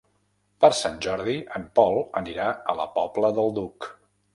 Per Sant Jordi en Pol anirà a la Pobla del Duc.